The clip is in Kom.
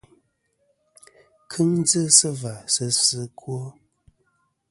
Kɨŋ dzɨ sɨ và sɨ fsi ɨkwo.